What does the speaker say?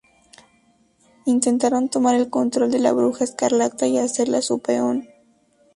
Intentaron tomar el control de la Bruja Escarlata y hacerla su peón.